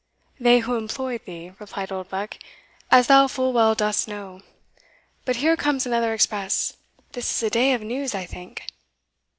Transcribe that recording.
"They who employed thee," replied Oldbuck, "as thou full well dost know. But here comes another express: this is a day of news, I think."